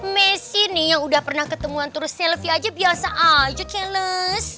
messi nih yang udah pernah ketemuan terus selfie aja biasa aja challes